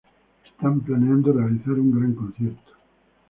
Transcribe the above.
Están planeando realizar un gran concierto.